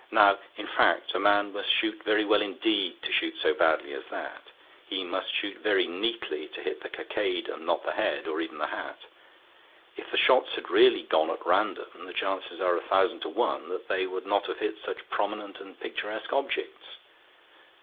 Now, in fact, a man must shoot very well indeed to shoot so badly as that. He must shoot very neatly to hit the cockade and not the head, or even the hat. If the shots had really gone at random, the chances are a thousand to one that they would not have hit such prominent and picturesque objects.